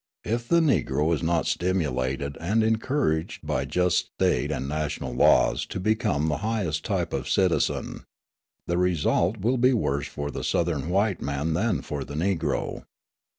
If the Negro is not stimulated and encouraged by just State and national laws to become the highest type of citizen, the result will be worse for the Southern white man than for the Negro.